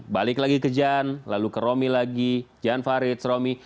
balik lagi ke gian lalu ke romi lagi gian farid romi